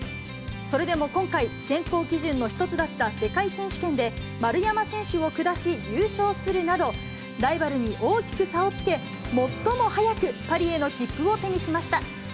それでも今回、選考基準の一つだった世界選手権で丸山選手を下し優勝するなど、ライバルに大きな差をつけ、最も早くパリへの切符を手にしました。